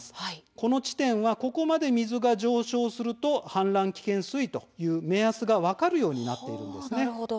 この地点は、ここまで水が上昇すると氾濫危険水位という目安が分かるようになっています。